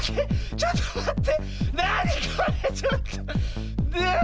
ちょっとまって。